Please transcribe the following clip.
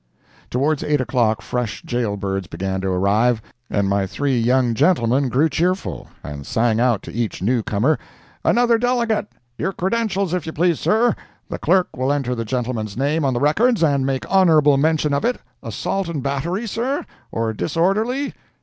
Towards 8 o'clock fresh jail birds began to arrive, and my three young gentlemen grew cheerful, and sang out to each newcomer, "Another delegate! Your credentials, if you please, sir. The clerk will enter the gentleman's name on the records and make honorable mention of it—assault and battery, sir?—or disorderly?